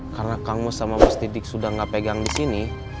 karena kang mus sama bos dik dik sudah gak pegang di sini